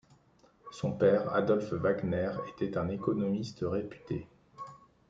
Son père, Adolph Wagner était un économiste réputé.